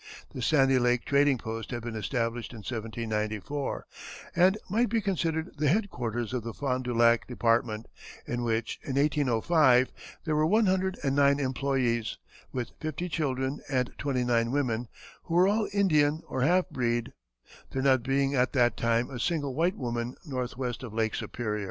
The Sandy Lake trading post had been established in 1794, and might be considered the headquarters of the Fond du Lac department, in which, in 1805, there were one hundred and nine employees, with fifty children and twenty nine women, who were all Indian or half breed, there not being at that time a single white woman northwest of Lake Superior.